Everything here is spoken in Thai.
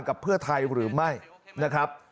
เพื่อไทยหรือไม่นะครับ